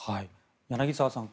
柳澤さん